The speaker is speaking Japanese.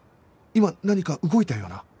今何か動いたような